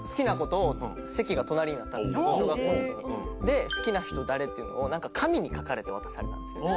時にで好きな人誰っていうのを紙に書かれて渡されたんですね